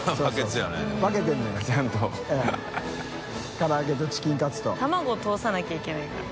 からあげとチキンカツと卵通さなきゃいけないから◆